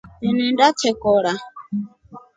Enende chekora.